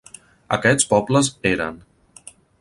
Aquests pobles eren: